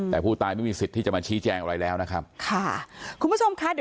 แต่ผู้ตายไม่มีสิทธิ์ที่จะมาชี้แจ้งอะไรแล้วนะครับ